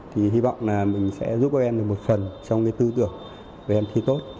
thì hy vọng là mình sẽ giúp các em được một phần trong cái tư tưởng về em thi tốt